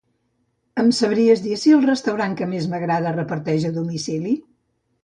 Em sabries dir si el restaurant que més m'agrada reparteix a domicili?